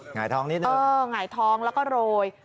หงายท้องนิดนึงเออหงายท้องแล้วก็โรย